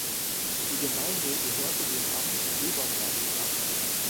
Die Gemeinde gehörte dem Amt Döbern-Land an.